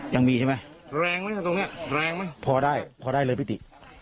ยังมีใช่ไหมแรงไหมนี่เลยแรงไหมพอได้เลยพิติ